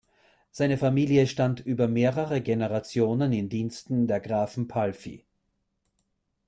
Seine Familie stand über mehrere Generationen in Diensten der Grafen Pálffy.